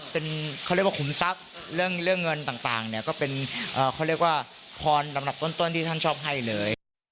เป็นข้อเรียกว่าพรรณหลักต้นที่ท่านชอบให้เลย